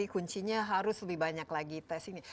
kuncinya harus lebih banyak lagi tes ini